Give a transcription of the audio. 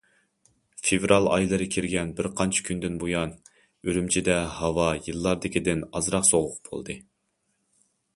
فېۋرال ئايلىرى كىرگەن بىر قانچە كۈندىن بۇيان ئۈرۈمچىدە ھاۋا يىللاردىكىدىن ئازراق سوغۇق بولدى.